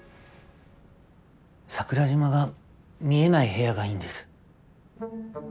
桜島が見えない部屋がいいんです。